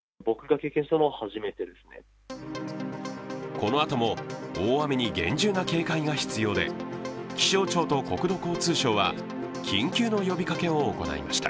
このあとも大雨に厳重な警戒が必要で、気象庁と国土交通省は緊急の呼びかけを行いました。